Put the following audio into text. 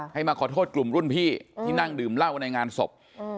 ให้มาขอโทษกลุ่มรุ่นพี่ที่นั่งดื่มเหล้าในงานศพ